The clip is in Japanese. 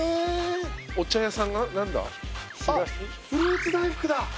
お茶屋さんが何だ？